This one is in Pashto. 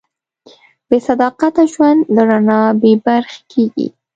بېصداقته ژوند له رڼا بېبرخې کېږي.